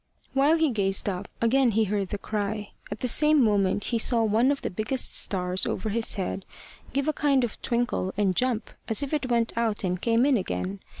While he gazed up, again he heard the cry. At the same moment he saw one of the biggest stars over his head give a kind of twinkle and jump, as if it went out and came in again.